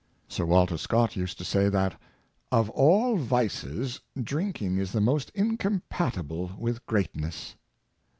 Sir Walter Scott used to say that, ." of all vices, drink ing is the most incompatible with greatness."